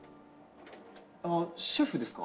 あのシェフですか？